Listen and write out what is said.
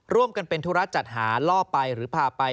ร่วมกันเป็นธุระจัดหาล่อไปหรือพาไป